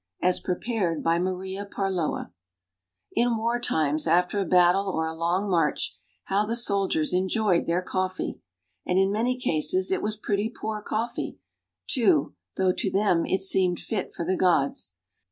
As Prepared By Maria Parloa. IN war times, after a battle or a long march, how the soldiers enjoyed their coffee! And in many cases it was pretty poor coffee, too, though to them it seemed fit for the gods.